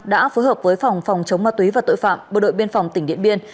đã phối hợp với phòng phòng chống ma túy và tội phạm bộ đội biên phòng tỉnh điện biên